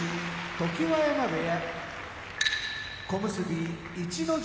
常盤山部屋